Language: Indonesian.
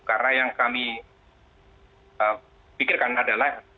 karena yang kami pikirkan adalah